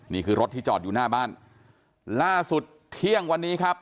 นี่คือรถที่จอดอยู่หน้าบ้านล่าสุดเที่ยงวันนี้ครับ